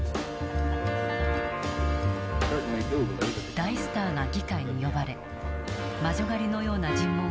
大スターが議会に呼ばれ魔女狩りのような尋問が続いた。